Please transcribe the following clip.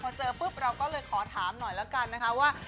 พอเจอปุ๊บเราก็เลยขอถามหน่อยแล้วกันนะคะว่า